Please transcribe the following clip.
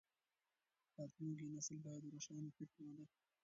راتلونکی نسل بايد روښانه فکر ولري.